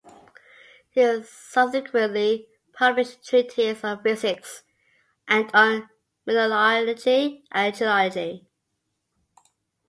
He subsequently published treatises on physics and on mineralogy and geology.